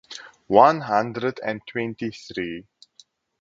One hundred and twenty three